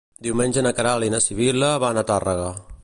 Diumenge na Queralt i na Sibil·la van a Tàrrega.